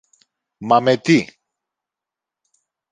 Μα με τι;